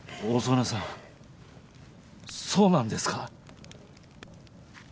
大曾根さんそうなんですか？